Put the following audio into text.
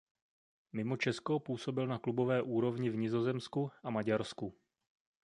Mimo Česko působil na klubové úrovni v Nizozemsku a Maďarsku.